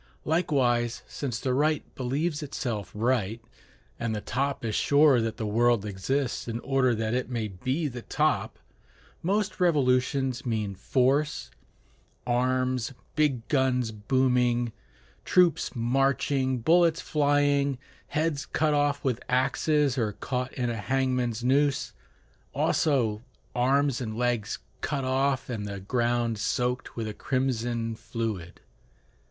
Likewise, since the right believes itself right, and the top is sure that the world exists in order that it may be the top, most revolutions mean force, arms, big guns booming, troops marching, bullets flying, heads cut off with axes or caught in a hangman's noose; also arms and legs cut off, and the ground soaked with a crimson fluid.